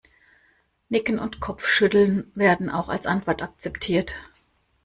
Nicken und Kopfschütteln werden auch als Antwort akzeptiert.